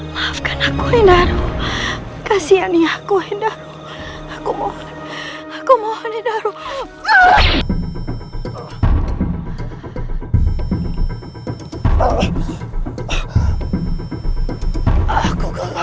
maafkan aku indah kasihani aku indah aku mohon mohon darul